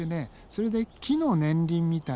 それで木の年輪みたいにさ。